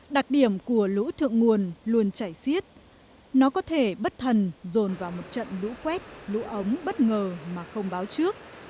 đặc điểm của lũ thượng nguồn luôn chảy xiết nó có thể bất thần dồn vào một trận lũ quét lũ ống bất ngờ mà không báo trước